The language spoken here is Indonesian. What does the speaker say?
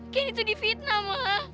candy tuh di fitnah ma